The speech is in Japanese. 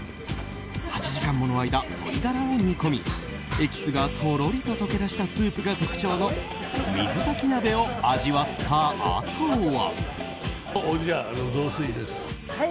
８時間もの間、鶏ガラを煮込みエキスがとろりと溶け出したスープが特徴の水炊き鍋を味わったあとは。